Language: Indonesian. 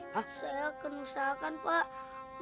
saya akan usahakan pak